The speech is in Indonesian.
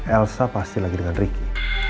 elsa pasti lagi dengan ricky